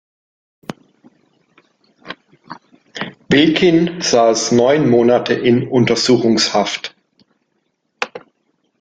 Wilkin saß neun Monate in Untersuchungshaft.